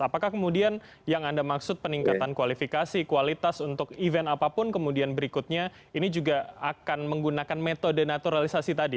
apakah kemudian yang anda maksud peningkatan kualifikasi kualitas untuk event apapun kemudian berikutnya ini juga akan menggunakan metode naturalisasi tadi